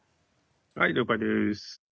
はい了解です。